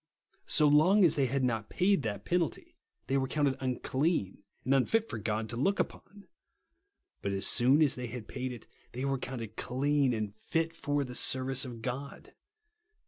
So long as they had not paid that j^enalty, tliey were counted ini cleaii and unfit for God to look upon ; but as soon as they had paid it, they were counted clean and ht for the service of God.